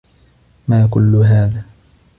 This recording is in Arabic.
ما كلّ هذا؟